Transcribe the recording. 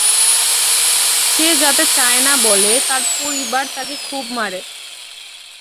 সে যাতে চায় না বলে তার পরিবার তাকে খুব মারে।